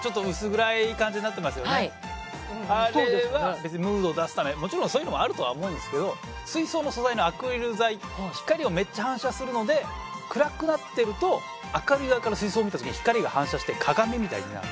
あれは別にムードを出すためもちろんそういうのもあるとは思うんですけど水槽の素材のアクリル材光をめっちゃ反射するので暗くなってると明るい側から水槽を見た時に光が反射して鏡みたいになる。